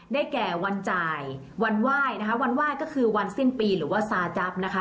แก่วันจ่ายวันไหว้นะคะวันไหว้ก็คือวันสิ้นปีหรือว่าซาจั๊บนะคะ